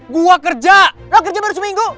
gua kerja lo kerja baru seminggu